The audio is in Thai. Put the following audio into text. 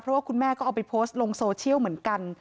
เพราะว่าคุณแม่ก็เอาไปโพสต์ลงโซเชียลเหมือนกัน